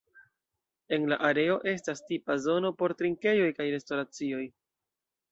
En la areo estas tipa zono por trinkejoj kaj restoracioj.